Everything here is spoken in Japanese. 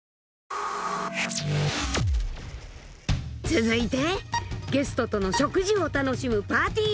［続いてゲストとの食事を楽しむ］